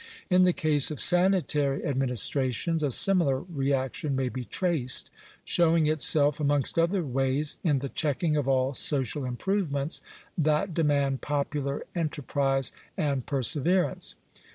In the case of sanitary administrations, a similar reaction may be traced ; showing itself, amongst other ways, in the checking of all social improvements that demand popular enterprise and per Digitized by VjOOQIC 892 SANITARY SUPERVISION. severance.